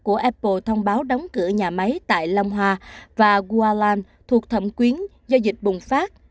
của apple thông báo đóng cửa nhà máy tại long hoa và gualan thuộc thẩm quyến do dịch bùng phát